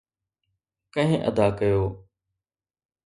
ڪنهن ادا ڪيو؟